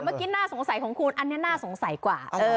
เมื่อกี้น่าสงสัยของคุณอันนี้น่าสงสัยกว่า